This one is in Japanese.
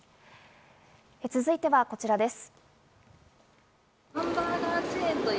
続いてはこちらです。